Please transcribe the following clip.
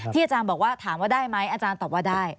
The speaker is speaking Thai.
อาจารย์บอกว่าถามว่าได้ไหมอาจารย์ตอบว่าได้